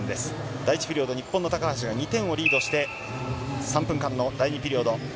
第１ピリオド、日本の高橋が２点をリードして３分間の第２ピリオド。